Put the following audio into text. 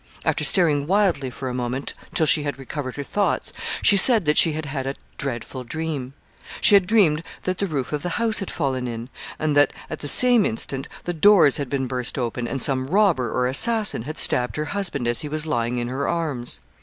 After staring wildly for a moment till she had recovered her thoughts, she said that she had had a dreadful dream. She had dreamed that the roof of the house had fallen in, and that, at the same instant, the doors had been burst open, and some robber or assassin had stabbed her husband as he was lying in her arms.